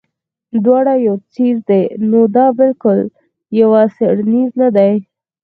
دواړه يو څيز دے نو دا بالکل يو څيز نۀ دے